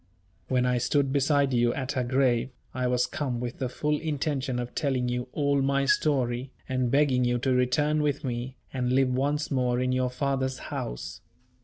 When I stood beside you at her grave, I was come with the full intention of telling you all my story, and begging you to return with me, and live once more in your father's house.